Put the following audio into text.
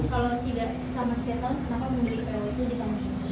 kalau tidak sama setiap tahun kenapa memiliki po itu di kamar ini